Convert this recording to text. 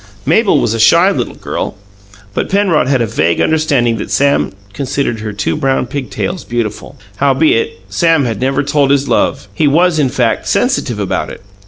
Mabel was a shy little girl; but Penrod had a vague understanding that Sam considered her two brown pig tails beautiful. Howbeit, Sam had never told his love; he was, in fact, sensitive about it.